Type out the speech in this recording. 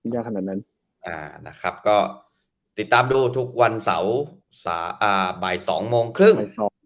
ยกงานกันนะนะครับก็ติดตามดูทุกวันเสาร์สายใบสองโมงครึ่ง